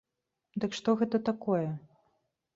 Дык што гэта такое?